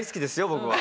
僕は。